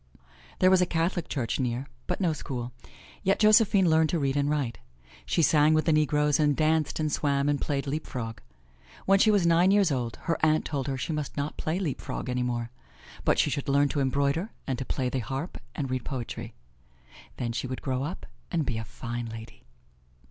There was a Catholic church near, but no school. Yet Josephine learned to read and write. She sang with the negroes and danced and swam and played leap frog. When she was nine years old, her aunt told her she must not play leap frog any more, but she should learn to embroider and to play the harp and read poetry. Then she would grow up and be a fine lady.